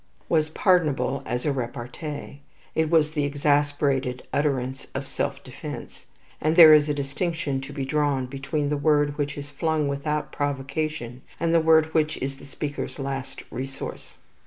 was pardonable as a repartee. It was the exasperated utterance of self defence; and there is a distinction to be drawn between the word which is flung without provocation, and the word which is the speaker's last resource.